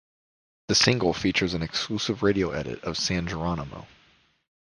The single features an exclusive radio edit of San Geronimo.